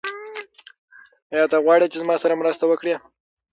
آیا ته غواړې چې زما سره مرسته وکړې؟